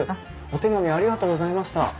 お手紙ありがとうございました。